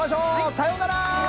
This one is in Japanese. さようなら！